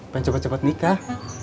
pengen cepet cepet nikah